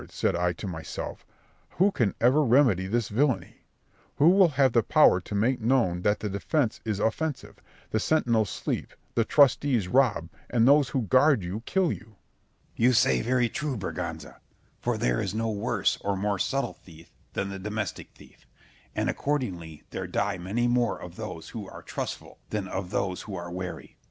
said I to myself, who can ever remedy this villany? Who will have the power to make known that the defence is offensive, the sentinels sleep, the trustees rob, and those who guard you kill you? Scip. You say very true, Berganza; for there is no worse or more subtle thief than the domestic thief; and accordingly there die many more of those who are trustful than of those who are wary.